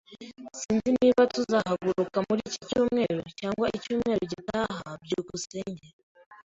Sinzi niba tuzahaguruka muri iki cyumweru cyangwa icyumweru gitaha. byukusenge